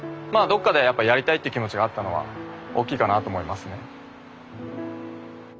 どっかでやっぱやりたいという気持ちがあったのは大きいかなと思いますね。